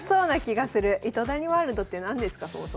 糸谷ワールドって何ですかそもそも。